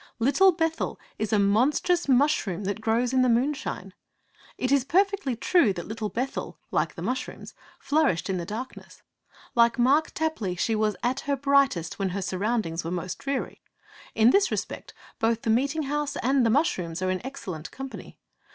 Little Bethel is a 'monstrous mushroom that grows in the moonshine.' It is perfectly true that Little Bethel, like the mushrooms, flourished in the darkness. Like Mark Tapley, she was at her brightest when her surroundings were most dreary. In this respect both the meeting house and the mushrooms are in excellent company.